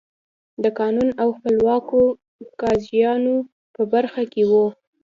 د قانون او خپلواکو قاضیانو په برخو کې وو.